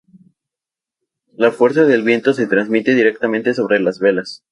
La fuerza del viento se transmite directamente sobre las velas.